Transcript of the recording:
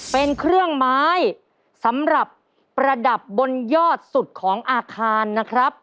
เป็นเครื่องไม้สำหรับประดับบนยอดสุดของอาคารนะครับ